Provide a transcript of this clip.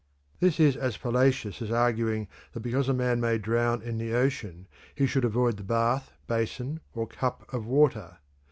This is as fallacious as arguing that because a man may drown in the ocean he should avoid the bath, basin, or cup of water.